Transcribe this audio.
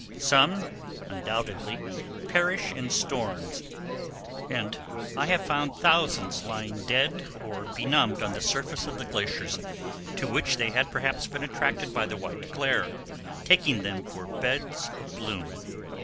Some, undoubtedly, perish in storms, and I have found thousands lying dead or benumbed on the surface of the glaciers, to which they had perhaps been attracted by the white glare, taking them for beds of bloom.